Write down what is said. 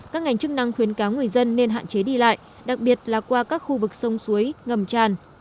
các ngành chức năng khuyến cáo người dân nên hạn chế đi lại đặc biệt là qua các khu vực sông suối ngầm tràn